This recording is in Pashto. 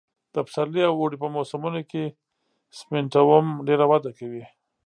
د پسرلي او اوړي په موسمونو کې سېمنټوم ډېره وده کوي